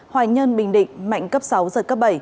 hoài nhơn bình định mạnh cấp sáu giật cấp bảy